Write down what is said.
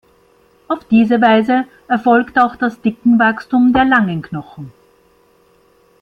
Auf diese Weise erfolgt auch das Dickenwachstum der langen Knochen.